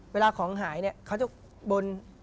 เวลาของหายเนี่ยเขาจะบน